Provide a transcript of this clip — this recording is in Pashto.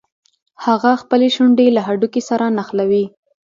هغه خپلې شونډې له هډوکي سره نښلوي.